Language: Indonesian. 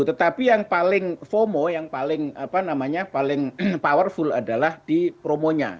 tetapi yang paling fomo yang paling apa namanya paling powerful adalah di promonya